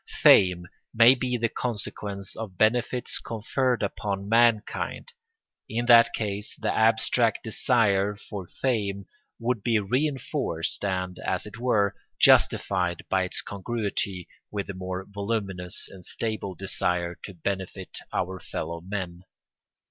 Fame may be the consequence of benefits conferred upon mankind. In that case the abstract desire for fame would be reinforced and, as it were, justified by its congruity with the more voluminous and stable desire to benefit our fellow men.